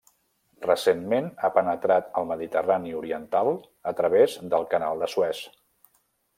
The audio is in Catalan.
Recentment ha penetrat al Mediterrani Oriental a través del Canal de Suez.